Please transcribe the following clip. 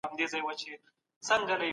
ټولنپوهنه د ټولنې بنسټونه څېړي.